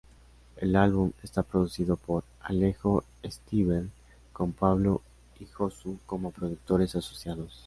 El álbum está producido por Alejo Stivel, con Pablo y Josu como productores asociados.